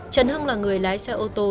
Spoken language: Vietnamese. trần hưng là người lái xe ô tô